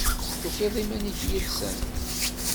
Tufiḍ iman-ik yid-sent?